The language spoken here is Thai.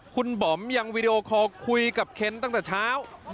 คุณบอมยังวีดีโอคอลคุยกับเคนตั้งแต่เช้า